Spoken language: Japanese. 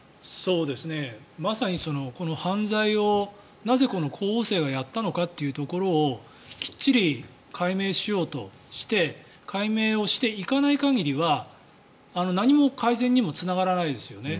まさに、この犯罪をなぜ、この候補生がやったのかというところをきっちり解明しようとして解明をしていかない限りは何も改善にもつながらないですよね。